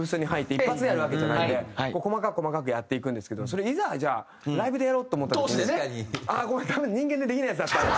一発でやるわけじゃないんで細かく細かくやっていくんですけどそれをいざじゃあライブでやろうと思った時に「あっごめん！多分人間でできないやつだったわ」。